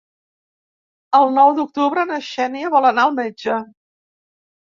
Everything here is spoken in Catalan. El nou d'octubre na Xènia vol anar al metge.